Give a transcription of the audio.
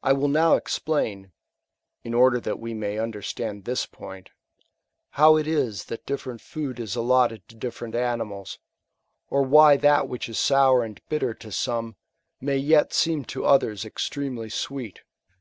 I wiU now explain, (in order that we may understand this point,) how it is that different food is allotted to different ant mals, or why that which is sour and bitter to some, may yet seem to others extremely sweet.